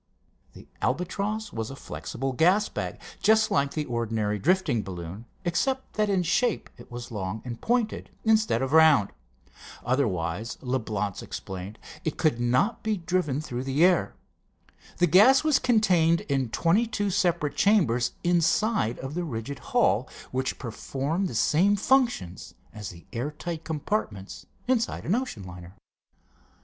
The Albatross was a flexible gas bag, just like the ordinary drifting balloon, except that in shape it was long and pointed, instead of round. Otherwise, Leblance explained, it could not be driven through the air. The gas was contained in twenty two separate chambers inside of the rigid hull, which performed the same functions as the air tight compartments inside an ocean liner.